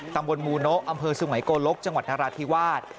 ตำบลมูโนะอำเภอสุงัยโกลกจังหวัดนราธิวาส